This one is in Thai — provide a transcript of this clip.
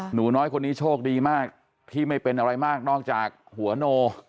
หนูน้อยคนนี้โชคดีมากที่ไม่เป็นอะไรมากนอกจากหัวโน